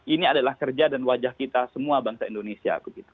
ini adalah kerja dan wajah kita semua bangsa indonesia